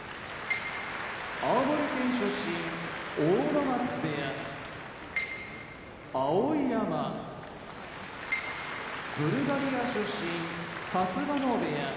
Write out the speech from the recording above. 青森県出身阿武松部屋碧山ブルガリア出身春日野部屋